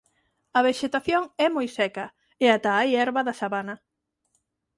A vexetación é moi seca e hai ata hai herba da sabana.